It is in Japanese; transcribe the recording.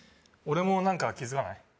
俺も何か気づかない？